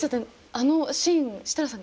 あのシーン設楽さん